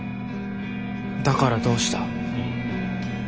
だからどうした？